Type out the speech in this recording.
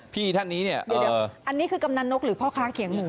พี่ท่านนี้เนี่ยเดี๋ยวอันนี้คือกำนันนกหรือพ่อค้าเขียงหมู